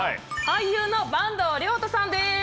俳優の坂東龍汰さんです。